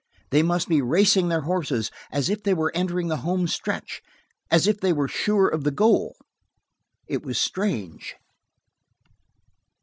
They must be racing their horses as if they were entering the homestretch, as if they were sure of the goal. It was strange.